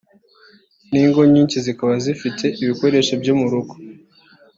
n’ingo nyinshi zikaba zifite ibikoresho byo mu rugo